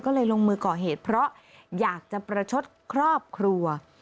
ก็เลยลงมือก่อเหตุเพราะอยากจะประชดครอบครัว